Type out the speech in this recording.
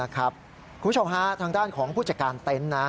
คุณผู้ชมฮะทางด้านของผู้จัดการเต็นต์นะ